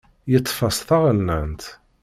Yeṭṭef-as taɣennant.